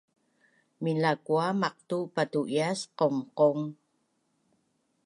Minlakua maqtu patu’ias qaungqaung?